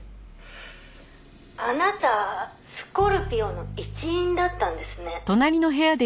「あなたスコルピオの一員だったんですね」